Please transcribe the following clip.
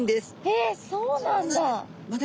えっそうなんだ。